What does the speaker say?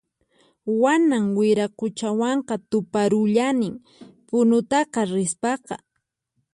Waman Wiraquchawanqa tuparullanin Punuta rispaqa